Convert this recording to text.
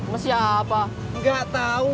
loh apa ini